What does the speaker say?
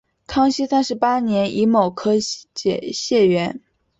康熙三十八年己卯科解元。